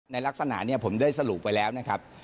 ในลักษณะผมได้สรุปไว้แล้วนะครับ